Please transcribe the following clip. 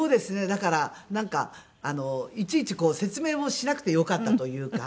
だからなんかいちいち説明もしなくてよかったというか。